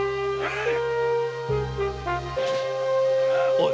おい！